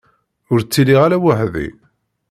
Ur ttiliɣ ara weḥd-i.